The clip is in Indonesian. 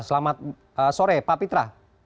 selamat sore pak pitra